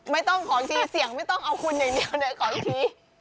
ไม่ต้องขอชี้เสียงไม่ต้องเอาคุณอย่างเดียวเลยขออีกที